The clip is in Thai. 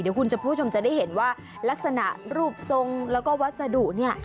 เดี๋ยวคุณผู้ชมจะได้เห็นว่าลักษณะรูปทรงแล้วก็วัสดุเนี่ย